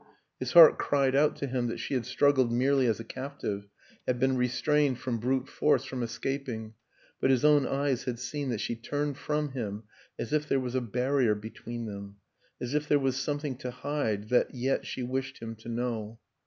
... His heart cried out to him that she had struggled merely as a captive, had been re strained by brute force from escaping but his own eyes had seen that she turned from him as if there was a barrier between them, as if there was something to hide that yet she wished him to know.